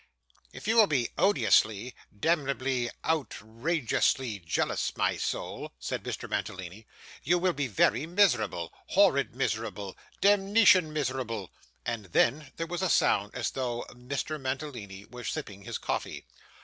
'If you will be odiously, demnebly, outr_i_geously jealous, my soul,' said Mr. Mantalini, 'you will be very miserable horrid miserable demnition miserable.' And then, there was a sound as though Mr. Mantalini were sipping his coffee.